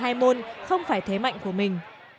các thí sinh đều cho rằng không phải thế mạnh của mình